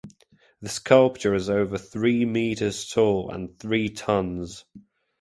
The sculpture is over three meters tall and three tons.